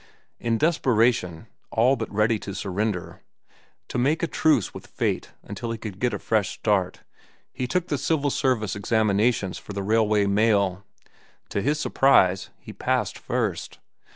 In desperation, all but ready to surrender, to make a truce with fate until he could get a fresh start, he took the civil service examinations for the Railway Mail. To his surprise, he passed first.